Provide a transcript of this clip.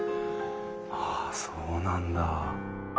ああそうなんだ。